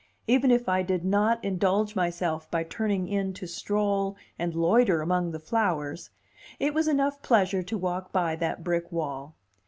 Even if I did not indulge myself by turning in to stroll and loiter among the flowers, it was enough pleasure to walk by that brick wall.